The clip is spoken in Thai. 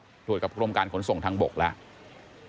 ตรวจกับกรมการขนส่งทางบกแล้ว